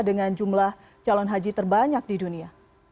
dengan jumlah calon haji terbanyak di dunia